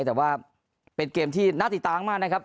แต่ว่าเป็นเกมที่น่าติดตามมากนะครับ